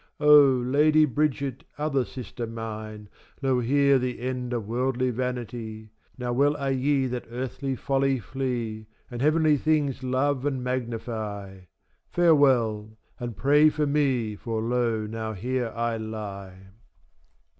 O! Lady Bridget, other sister mine, Lo here the end of worldly vanity! Now well are ye that earthly folly flee, And heavenly thinges love and magnify. Farewell and pray for me, for lo now here I lie.